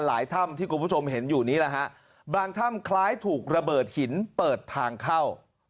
หลายท่ำที่คุณผู้ชมเห็นอยู่นี้บางท่ำคล้ายถูกระเบิดหินเปิดทางเข้า